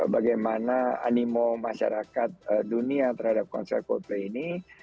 bagaimana animo masyarakat dunia terhadap konser coldplay ini